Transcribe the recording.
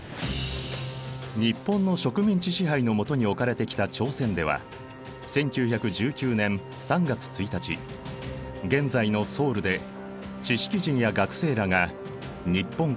日本の植民地支配の下に置かれてきた朝鮮では１９１９年３月１日現在のソウルで知識人や学生らが日本からの独立を宣言。